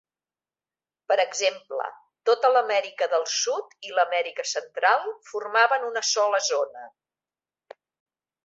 Per exemple, tota l'Amèrica del Sud i l'Amèrica Central formaven una sola zona.